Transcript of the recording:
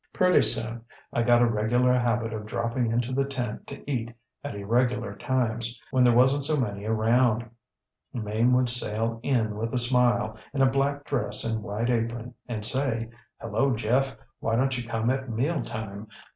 ŌĆ£Pretty soon I got a regular habit of dropping into the tent to eat at irregular times when there wasnŌĆÖt so many around. Mame would sail in with a smile, in a black dress and white apron, and say: ŌĆśHello, Jeff ŌĆöwhy donŌĆÖt you come at mealtime?